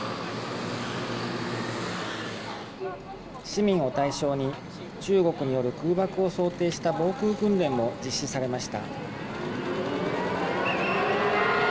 市民を対象に中国による空爆を想定した防空訓練も実施されました。